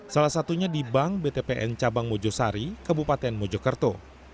salah satunya di bank btpn cabang mojosari kabupaten mojokerto